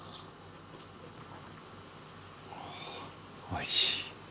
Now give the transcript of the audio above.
おおいしい。